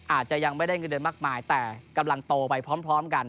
อาจจะยังไม่ได้เงินเดือนมากมายแต่กำลังโตไปพร้อมกัน